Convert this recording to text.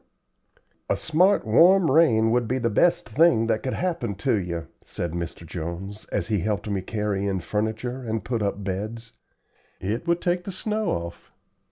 "A smart warm rain would be the best thing that could happen to yer," said Mr. Jones, as he helped me carry in furniture and put up beds; "it would take the snow off.